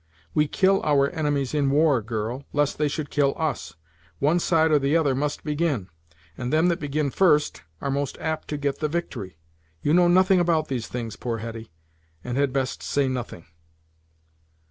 "We kill our enemies in war, girl, lest they should kill us. One side or the other must begin; and them that begin first, are most apt to get the victory. You know nothing about these things, poor Hetty, and had best say nothing."